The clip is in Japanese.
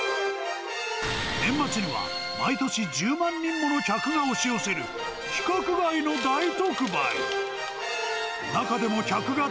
年末には、毎年１０万人もの客が押し寄せる、規格外の大特売。